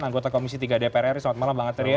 anggota komisi tiga dprr selamat malam bang artiriyah